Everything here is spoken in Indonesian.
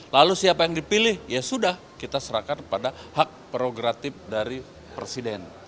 lalu siapa yang dipilih ya sudah kita serahkan pada hak progratif dari presiden